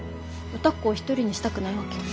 歌子を一人にしたくないわけよ。